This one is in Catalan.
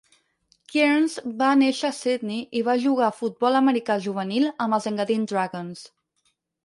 Kearns va néixer a Sydney i va jugar a futbol americà juvenil amb els Engadine Dragons.